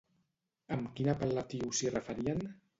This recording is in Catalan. Amb quin apel·latiu s'hi referien?